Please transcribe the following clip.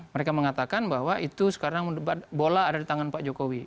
mereka mengatakan bahwa itu sekarang bola ada di tangan pak jokowi